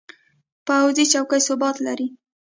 پوخ چوکۍ ثبات لري